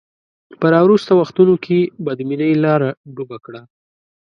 په راوروسته وختونو کې بدبینۍ لاره ډب کړه.